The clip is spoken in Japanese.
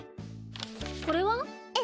これは？え？